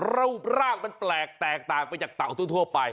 รูปร่างมันแปลกแตกต่างไปจากเต่าทั่วไป